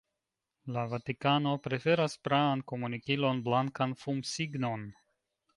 La Vatikano preferas praan komunikilon: blankan fumsignon.